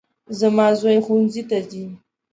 زما زوی ښوونځي ته ځي